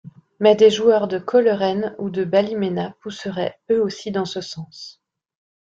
Mais des joueurs de Coleraine ou de ballymena pousseraient, eux aussi dans ce sens.